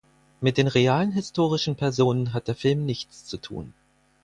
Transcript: Mit den realen historischen Personen hat der Film nichts zu tun.